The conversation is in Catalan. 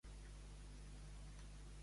Qui va ser Antàlcides?